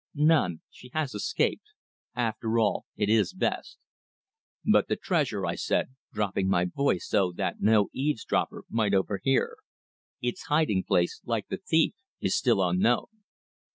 "None. She has escaped. After all it is best." "But the treasure," I said, dropping my voice so that no eavesdropper might overhear. "Its hiding place, like the thief, is still unknown."